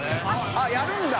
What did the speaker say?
あっやるんだ。